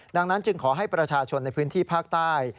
ดังนั้นจึงขอให้ประชาชนในพื้นที่ภาคใต้